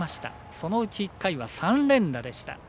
そのうち１回は３連打でした。